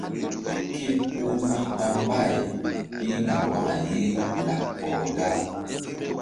Ke por ni ɓa mbay pihna waka ye laɓ ɔh da.